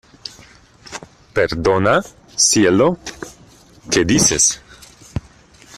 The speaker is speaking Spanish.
¿ Perdona, cielo? ¿ qué dices ?